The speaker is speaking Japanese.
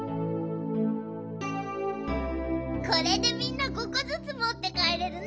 これでみんな５こずつもってかえれるね。